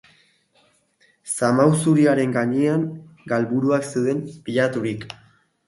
Zamau zuriaren gainean, galburuak zeuden pilaturik.